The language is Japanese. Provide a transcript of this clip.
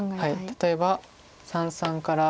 例えば三々から。